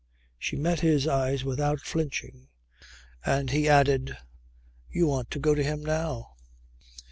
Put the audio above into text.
She met his eyes without flinching and he added, "You want to go to him now."